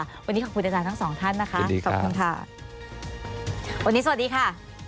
วันนี้ขอบคุณอาจารย์ทั้งสองท่านนะคะขอบคุณค่ะวันนี้สวัสดีค่ะ